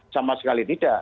sama sekali tidak